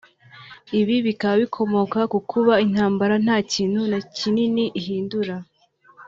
Ibi bikaba bikomoka ku kuba intambara nta kintu kinini ihindura